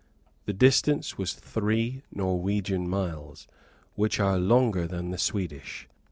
The distance was three Norwegian miles, which are longer than the Swedish.